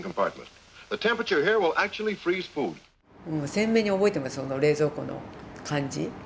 鮮明に覚えてます冷蔵庫の感じ。